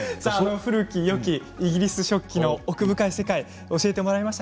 古きよきイギリス食器の奥深い世界を教えてもらいました